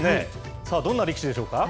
さあ、どんな力士でしょうか？